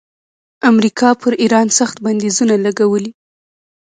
امریکا پر ایران سخت بندیزونه لګولي.